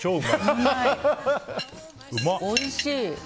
おいしい！